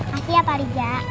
makasih ya pak rizieq